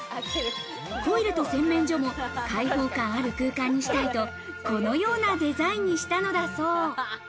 トイレと洗面所も開放感ある空間にしたいと、このようなデザインにしたんだそう。